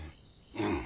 うん！